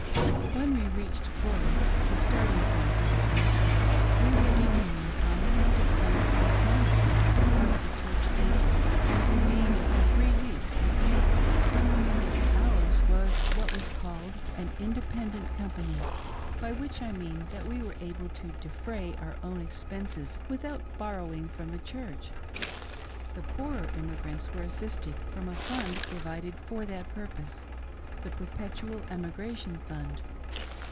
When we reached Florence — the starting point on the Frontiers — we were detained on account of some mismanage ment on the part of the Church Agents, and remained for three weeks in camp. Ours was what was called " an inde 24Q THE EMIGRATION OF MISS BI, AJfK. pendent company" ; by which, I mean that we were able tp defray our own expenses without borrowing from the Church: the poorer emigrants were assisted from a fund provided for that purpose — the Perpetual Emigration Fund.